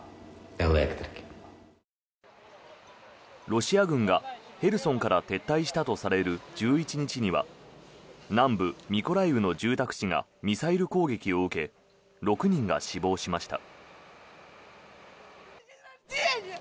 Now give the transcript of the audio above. ロシア軍がヘルソンから撤退したとされる１１日には南部ミコライウの住宅地がミサイル攻撃を受け６人が死亡しました。